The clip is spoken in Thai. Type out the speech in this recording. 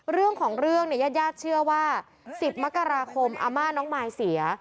เรื่องของเรื่องเนี่ยญาติญาติเชื่อว่า๑๐มกราคมอาม่าน้องมายเสีย